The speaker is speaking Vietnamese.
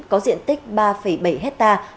có diện tích ba bảy hectare